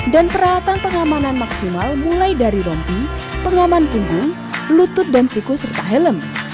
dan peralatan pengamanan maksimal mulai dari rompi pengaman punggung lutut dan siku serta helm